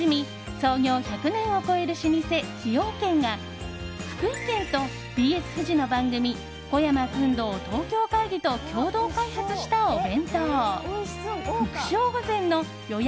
創業１００年を超える老舗崎陽軒が福井県とＢＳフジの番組「小山薫堂東京会議」と共同開発したお弁当福笑御膳の予約